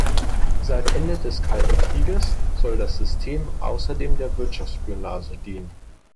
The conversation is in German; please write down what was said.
Seit Ende des Kalten Krieges soll das System außerdem der Wirtschaftsspionage dienen.